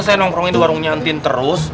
masa saya nomorongin di warungnya entin terus